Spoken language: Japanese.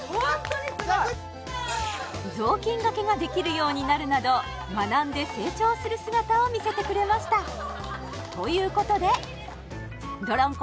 すごい！なるなど学んで成長する姿を見せてくれましたということでどろんこ